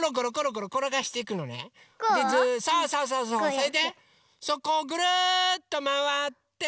それでそこをぐるっとまわって。